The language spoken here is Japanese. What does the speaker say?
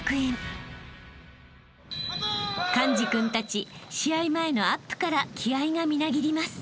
［寛治君たち試合前のアップから気合がみなぎります］